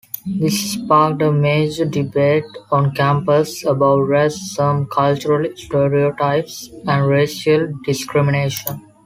This sparked a major debate on campus about racism, cultural stereotypes, and racial discrimination.